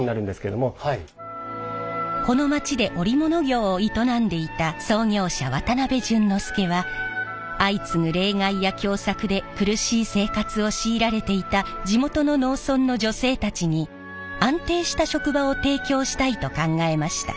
この町で織物業を営んでいた創業者渡辺順之助は相次ぐ冷害や凶作で苦しい生活を強いられていた地元の農村の女性たちに安定した職場を提供したいと考えました。